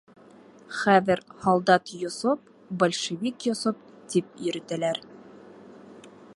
Хәҙер һалдат Йосоп, большевик Йосоп, тип йөрөтәләр.